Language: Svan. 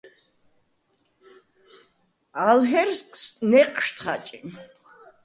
ალ ჰერსკნს ნეჴშდ ხაჭიმ.